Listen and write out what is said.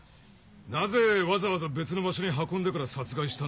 なぜわざわざ別の場所に運んでから殺害したんだ？